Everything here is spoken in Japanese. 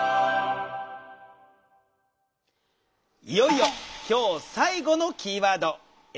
いよいよ今日最後のキーワード